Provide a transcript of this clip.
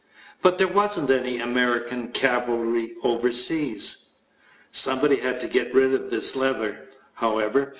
But there wasn't any American cavalry overseas! Somebody had to get rid of this leather, however.